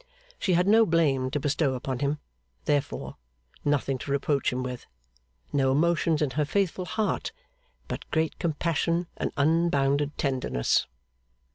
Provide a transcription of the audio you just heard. She had no blame to bestow upon him, therefore: nothing to reproach him with, no emotions in her faithful heart but great compassion and unbounded tenderness.